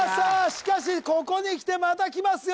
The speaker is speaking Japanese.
しかしここにきてまたきますよ